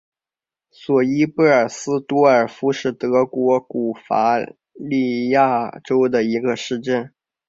索伊贝尔斯多尔夫是德国巴伐利亚州的一个市镇。